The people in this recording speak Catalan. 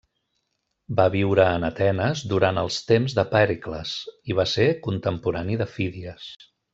Va viure en Atenes durant els temps de Pèricles, i va ser contemporani de Fídies.